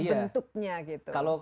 ini lah bentuknya gitu